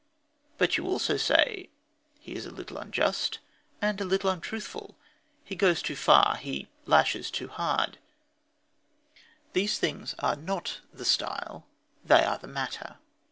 But you also say: "He is a little unjust and a little untruthful. He goes too far. He lashes too hard." These things are not the style; they are the matter.